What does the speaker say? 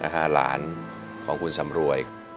หลานของคุณสำรวย